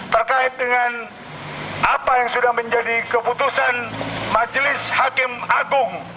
terkait dengan apa yang sudah menjadi keputusan majelis hakim agung